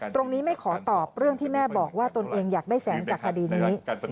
ไม่ขอตอบเรื่องที่แม่บอกว่าตนเองอยากได้แสงจากคดีนี้